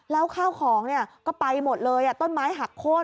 แล้วข้าวของก็ไปหมดเลยต้นไม้หักโค้น